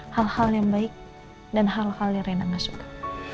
hal hal yang baik dan hal hal yang rena masukkan